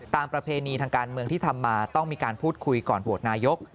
ประเพณีทางการเมืองที่ทำมาต้องมีการพูดคุยก่อนโหวตนายก